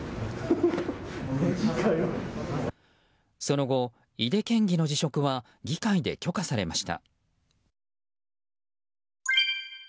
その後、井手県議の辞職は議会で許可されました。